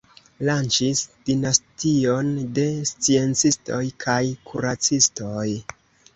Lanĉis dinastion de sciencistoj kaj kuracistoj.